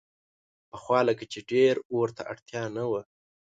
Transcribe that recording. پخوا لکه چې ډېر اور ته اړتیا نه وه.